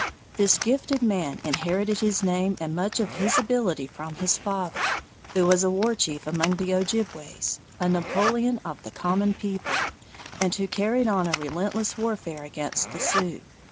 This gifted man inherited his name and much of his ability from his father, who was a war chief among the Ojibways, a Napoleon of the common people, and who carried on a relentless warfare against the Sioux.